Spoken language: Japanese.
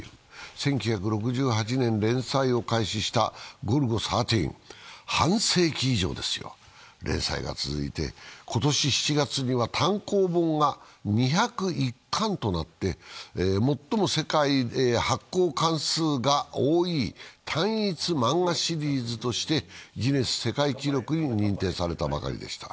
１９６８年連載を開始した「ゴルゴ１３」、半世紀以上ですよ、連載が続いて今年７月には単行本が２０１巻となって、最も世界発行巻数が多い単一漫画シリーズとしてギネス世界記録に認定されたばかりでした。